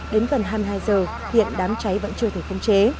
đến gần hai mươi hai h hiện đám cháy vẫn chưa thể phong chế